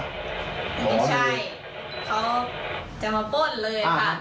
เขาจะมาป้นเลยค่ะ